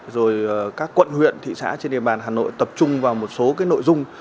rồi các quận huyện thị xã trên địa bàn hà nội tập trung vào một số nội dung